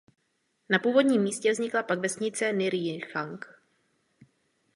Na původním místě vznikla pak vesnice Nir Jicchak.